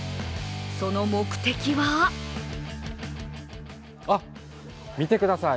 その目的はあっ、見てください。